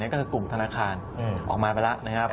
ก็คือกลุ่มธนาคารออกมาไปแล้ว